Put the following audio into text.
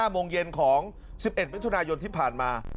โมงเย็นของ๑๑มิถุนายนที่ผ่านมา